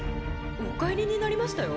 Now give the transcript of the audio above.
お帰りになりましたよ。